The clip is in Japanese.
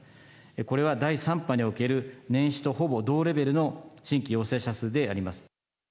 これは、第３波における年始と、ほぼ同レベルの新規陽性者数であります。